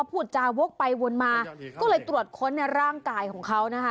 พูดจาวกไปวนมาก็เลยตรวจค้นในร่างกายของเขานะคะ